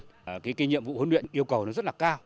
cái kinh nghiệm vụ huấn luyện yêu cầu nó rất là cao